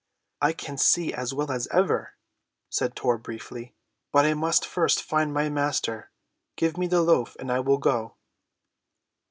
"I can see as well as ever," said Tor briefly. "But I must first find my Master. Give me the loaf and I will go."